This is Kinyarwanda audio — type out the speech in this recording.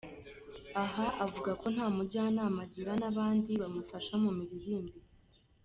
Aha avuga ko nta mujyanama agira n’abandi bamufasha mu miririmbire.